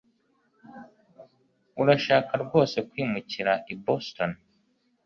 Urashaka rwose kwimukira i Boston